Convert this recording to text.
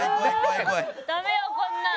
ダメよこんなん。